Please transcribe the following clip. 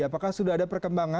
apakah sudah ada perkembangan